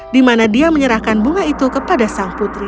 di mana dia menyerahkan bunga itu kepada sang putri